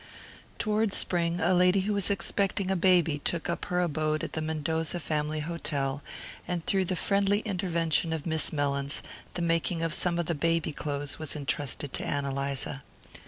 Toward spring a lady who was expecting a baby took up her abode at the Mendoza Family Hotel, and through the friendly intervention of Miss Mellins the making of some of the baby clothes was entrusted to Ann Eliza.